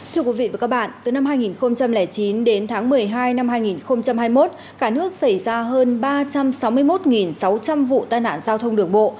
thưa quý vị và các bạn từ năm hai nghìn chín đến tháng một mươi hai năm hai nghìn hai mươi một cả nước xảy ra hơn ba trăm sáu mươi một sáu trăm linh vụ tai nạn giao thông đường bộ